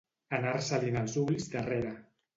Anar-se-li'n els ulls darrere.